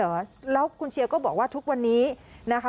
เหรอแล้วคุณเชียร์ก็บอกว่าทุกวันนี้นะคะ